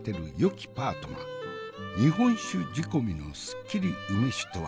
日本酒仕込みのすっきり梅酒とは。